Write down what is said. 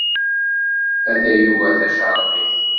A tayuga tacerqit.